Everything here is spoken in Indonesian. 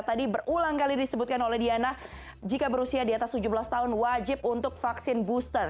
tadi berulang kali disebutkan oleh diana jika berusia di atas tujuh belas tahun wajib untuk vaksin booster